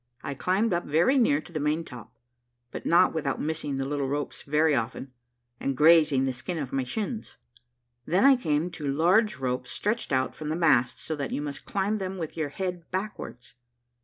I climbed up very near to the main top, but not without missing the little ropes very often, and grazing the skin of my shins. Then I came to large ropes stretched out from the mast so that you must climb them with your head backwards.